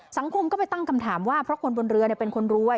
สังคมก็ไปตั้งคำถามว่าเพราะคนบนเรือเป็นคนรวย